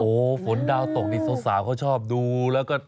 โอ้ฝนดาวตกที่สักสามเขาชอบดูแล้วก็